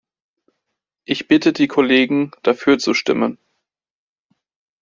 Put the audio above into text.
Ich bitte die Kollegen, dafür zu stimmen.